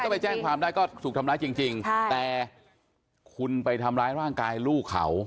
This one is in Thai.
ถ้าไปแจ้งความได้ก็ถูกทำร้ายจริงแต่คุณไปทำร้ายร่างกายลูกเขา